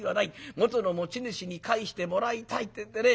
元の持ち主に返してもらいたいってんでね